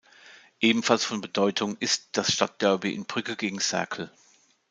Ebenfalls von Bedeutung ist das Stadtderby in Brügge gegen Cercle.